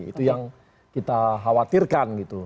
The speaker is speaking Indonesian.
itu yang kita khawatirkan gitu